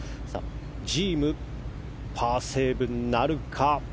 ジーム、パーセーブなるか。